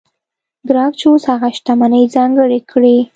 ګراکچوس هغه شتمنۍ ځانګړې کړې.